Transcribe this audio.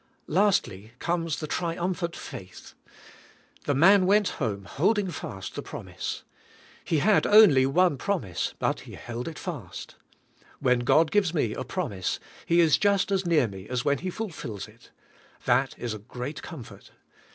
Lastl}^ comes the triumphant faith. The man went home holding fast the promise. He had only one premise, but he held it fast. When God gives TRIUMPH OF FAITH 153 me a promise, He is just as near me as when He fulfills it. That is a great comfort.